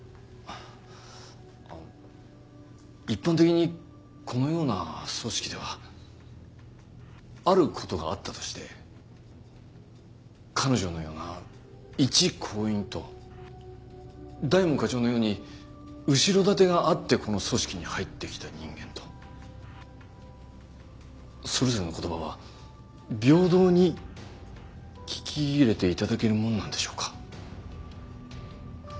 一般的にこのような組織ではある事があったとして彼女のような一行員と大門課長のように後ろ盾があってこの組織に入ってきた人間とそれぞれの言葉は平等に聞き入れて頂けるものなんでしょうか？